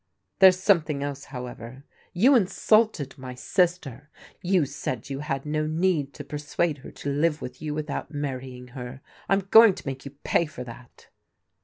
There's something else, however. You in sulted my sister ; you said you had no need to persuade her to live with you without marrying her. I am going to make you pay for that."